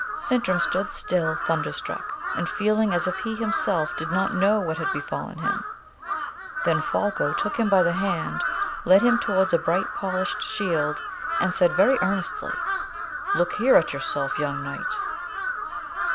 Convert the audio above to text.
Sintram stood still, thunderstruck, and feeling as if he himself did not know what had befallen him. Then Folko took him by the hand, led him towards a bright polished shield, and said very earnestly, "Look here at yourself, young knight!"